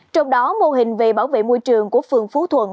trong đó mô hình về bảo vệ môi trường của phường phú thuận